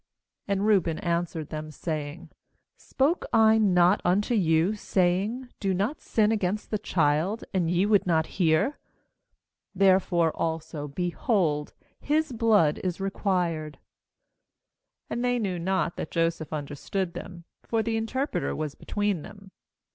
^And Reuben answered them, saying: 'Spoke I not unto you, saying: Do not sin against the child; and ye would not hear? therefore also, behold, his blood is required/ ^And they knew not that Joseph understood them; for the interpreter was between them.